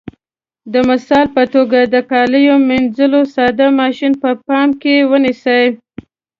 د مثال په توګه د کالیو منځلو ساده ماشین په پام کې ونیسئ.